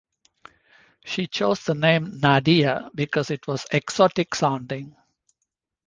She chose the name Nadia because it was "exotic-sounding".